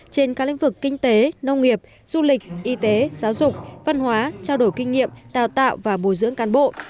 trên các lĩnh vực kinh tế nông nghiệp du lịch y tế giáo dục văn hóa trao đổi kinh nghiệm đào tạo và bồi dưỡng cán bộ